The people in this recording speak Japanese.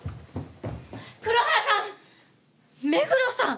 黒原さん！目黒さん！